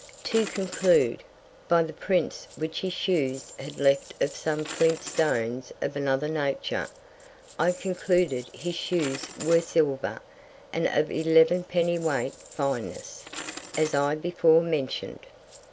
To conclude, by the Prints which his Shoes had left of some Flint Stones of another Nature, I concluded his Shoes were Silver, and of eleven penny Weight Fineness, as I before mention'd.